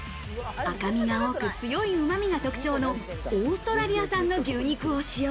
赤みが多く強いうまみが特徴のオーストラリア産の牛肉を使用。